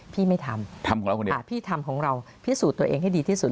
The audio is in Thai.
พี่ไม่ทำพี่ทำของเราพี่สูดตัวเองให้ดีที่สุด